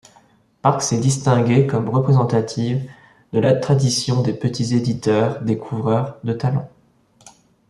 Parc s'est distinguée comme représentative de la tradition des petits éditeurs découvreurs de talents.